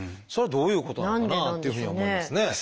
それはどういうことなのかなっていうふうに思いますね。